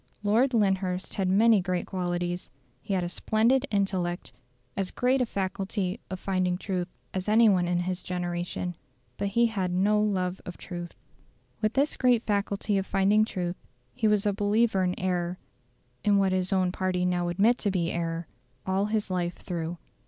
Lord Lyndhurst had many great qualities: he had a splendid intellect as great a faculty of finding truth as any one in his generation; but he had no love of truth. With this great faculty of finding truth, he was a believer in error in what his own party now admit to be error all his life through.